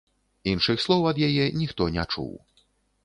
Іншых слоў ад яе ніхто не чуў.